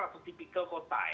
atau tipikal kota ya